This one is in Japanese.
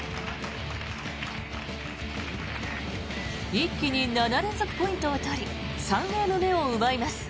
一気に７連続ポイントを取り３ゲーム目を奪います。